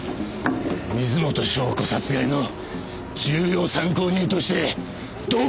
水元湘子殺害の重要参考人として同行してもらう！